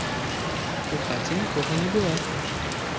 У хаце нікога не было.